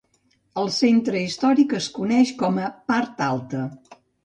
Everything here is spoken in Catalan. El centre històric es coneix com a "Part Alta".